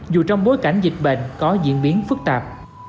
dù trong bối cảnh dịch bệnh có diễn biến phức tạp